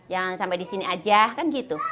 jangan sampai di sini aja kan gitu